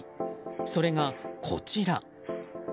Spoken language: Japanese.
それが、こちら。